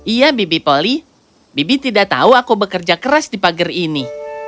iya bibi poli bibi tidak tahu aku bekerja keras di pagar ini